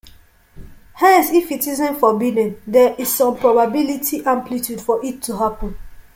Hence if it isn't forbidden, there is some probability amplitude for it to happen.